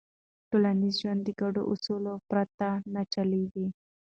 ټولنیز ژوند د ګډو اصولو پرته نه چلېږي.